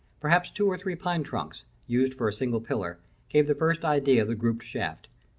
Perhaps two or three pine trunks, used for a single pillar, gave the first idea of the grouped shaft.